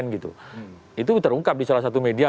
itu terungkap di salah satu media